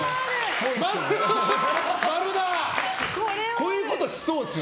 こういうことしそうっすよね。